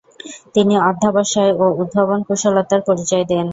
তিনি অধ্যবসায় ও উদ্ভাবনকুশলতার পরিচয় দেন।